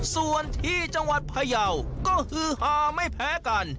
ส่วนที่จังหวัดพยาวก็ฮือฮาไม่แพ้กัน